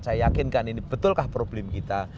saya yakinkan ini betulkah problem kita